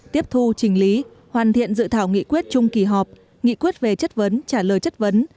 tiếp thu chỉnh lý hoàn thiện dự thảo nghị quyết chung kỳ họp nghị quyết về chất vấn trả lời chất vấn